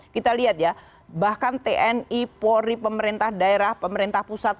kita lihat ya bahkan tni polri pemerintah daerah pemerintah pusat